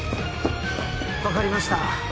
分かりました